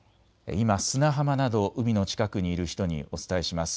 今、砂浜など海の近くにいる人にお伝えします。